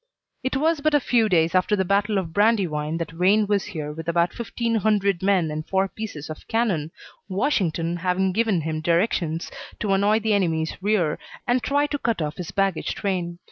"It was but a few days after the battle of Brandywine that Wayne was here with about fifteen hundred men and four pieces of cannon, Washington having given him directions to annoy the enemy's rear and try to cut off his baggage train.